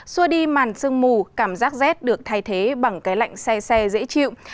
xua đi màn sương mù cảm giác rét được thay thế bằng cái lạnh xe xe dễ chịu